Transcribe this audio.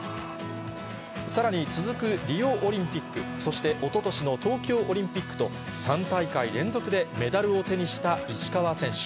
さらに、続くリオオリンピック、そしておととしの東京オリンピックと、３大会連続でメダルを手にした石川選手。